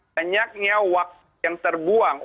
banyaknya waktu yang terbuang